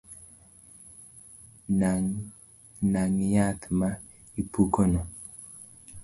Nang’ yath ma ipukono